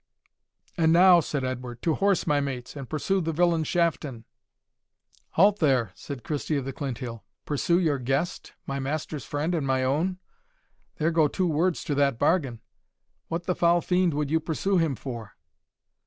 "And now," said Edward, "to horse, my mates, and pursue the villain Shafton!" "Halt, there," said Christie of the Clinthill; "pursue your guest, my master's friend and my own? there go two words to that bargain. What the foul fiend would you pursue him for?"